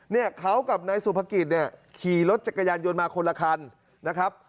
เนี่ยเขากับนายสุภกิจเนี่ยขี่รถจักรยานยนต์มาคนละคันนะครับ